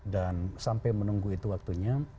dan sampai menunggu itu waktunya